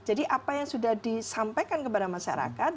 jadi apa yang sudah disampaikan kepada masyarakat